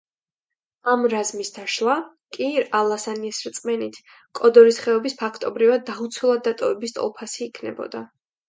ამ რაზმის დაშლა კი, ალასანიას რწმენით, კოდორის ხეობის, ფაქტობრივად, დაუცველად დატოვების ტოლფასი იქნებოდა.